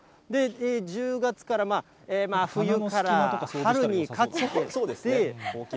１０月から、冬から春にかけて。